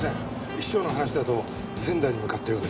秘書の話だと仙台に向かったようです。